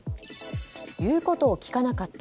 言うことを聞かなかった。